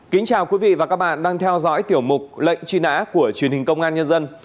kính chào quý vị và các bạn đang theo dõi tiểu mục lệnh truy nã của truyền hình công an nhân dân